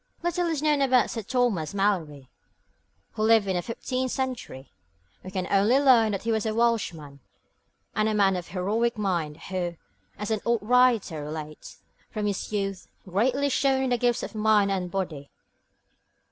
Little is known about Sir Thomas Malory, who lived in the fifteenth century. We only learn that he was a Welshman, a man of heroic mind who, as an old writer relates, 'from his youth, greatly shone in the gifts of mind and body.'